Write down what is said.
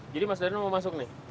jadi mas dada mau masuk nih